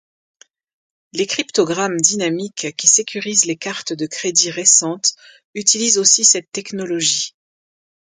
Les cryptogrammes dynamiques qui sécurisent les cartes de crédit récentes utilisent aussi cette technologie.